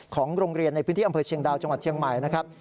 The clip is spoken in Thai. ของโรงเรียนในพื้นที่อำเภอเชียงดาวจังหวัดเชียงใหม่นะครับ